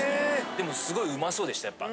でもすごいうまそうでしたやっぱ。